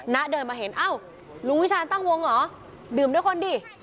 ณเดินมาเห็นเอ้าลุงวิชาณตั้งวงเหรอดื่มด้วยคนดิ